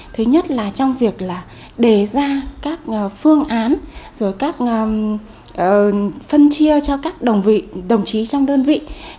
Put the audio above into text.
thứ nhất là trong việc đề ra các phương án phân chia cho các đồng chí trong đơn vị